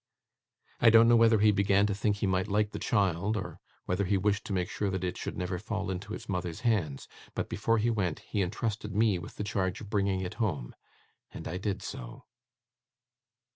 I don't know whether he began to think he might like the child, or whether he wished to make sure that it should never fall into its mother's hands; but, before he went, he intrusted me with the charge of bringing it home. And I did so.